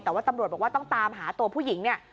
แต่ว่าตำรวจบอกว่าต้องตามหาตัวผู้หญิงเนี่ย